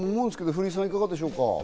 古井さん、いかがですか？